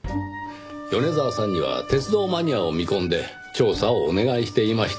米沢さんには鉄道マニアを見込んで調査をお願いしていました。